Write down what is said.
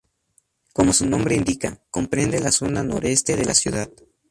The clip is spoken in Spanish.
Como su nombre indica, comprende la zona noroeste de la ciudad.